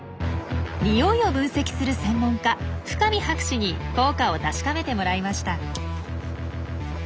匂いを分析する専門家深見博士に効果を確かめてもらいました。